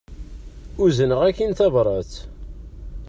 Uzneɣ-ak-in tabrat.